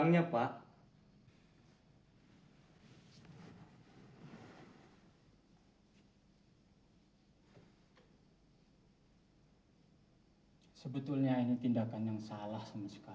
tetapi mereka tidak mengingat tahu anda